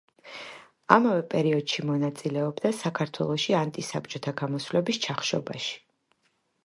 ამავე პერიოდში მონაწილეობდა საქართველოში ანტი-საბჭოთა გამოსვლების ჩახშობაში.